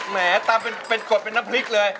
แหมตำเป็นกดเป็นน้ำพริกเลย